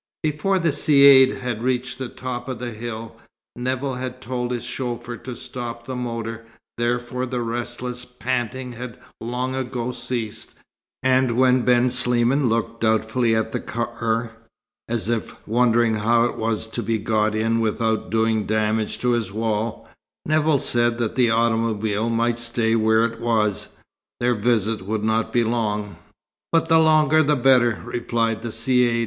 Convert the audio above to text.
Before the Caïd had reached the top of the hill, Nevill had told his chauffeur to stop the motor, therefore the restless panting had long ago ceased, and when Ben Sliman looked doubtfully at the car, as if wondering how it was to be got in without doing damage to his wall, Nevill said that the automobile might stay where it was. Their visit would not be long. "But the longer the better," replied the Caïd.